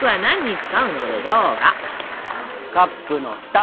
カップの蓋！